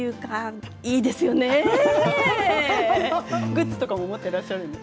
グッズとかも持っていらっしゃるんですか？